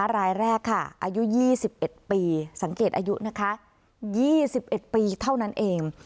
รายแรกค่ะอายุ๒๑ปีสังเกตอายุนะคะ๒๑ปีเท่านั้นเอง